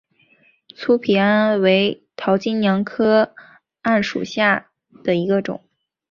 粗皮桉为桃金娘科桉属下的一个种。